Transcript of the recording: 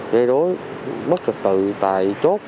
để đối mất lực tự tại chốt